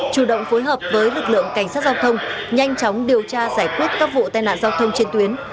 chủ động phối hợp với lực lượng cảnh sát giao thông nhanh chóng điều tra giải quyết các vụ tai nạn giao thông trên tuyến